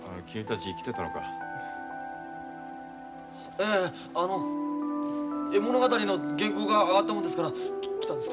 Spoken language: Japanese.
ええあの絵物語の原稿が上がったもんですから来たんです。